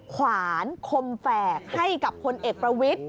ขวานคมแฝกให้กับพลเอกประวิทธิ